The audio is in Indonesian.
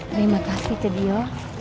terima kasih cedio